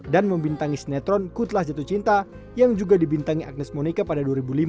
dan membintangi sinetron kutlah jatuh cinta yang juga dibintangi agnes monika pada dua ribu lima